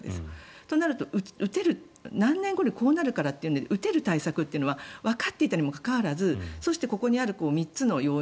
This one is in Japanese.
となると何年後にこうなるからって打てる対策はわかっていたにもかかわらずそしてここにある３つの要因